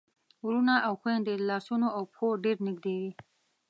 وروڼه او خويندې له لاسونو او پښو ډېر نږدې وي.